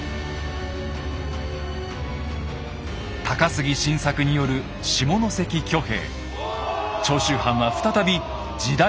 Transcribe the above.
高杉晋作による下関挙兵。